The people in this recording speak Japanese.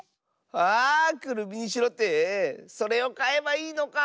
あくるみにしろってそれをかえばいいのか！